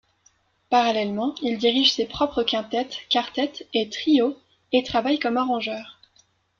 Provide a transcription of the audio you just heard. Parallèlement, il dirige ses propres quintet, quartet et trio et travaille comme arrangeur.